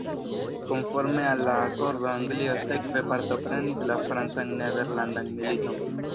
Konforme al la akordo, Anglio sekve partoprenis la Francan-Nederlandan militon.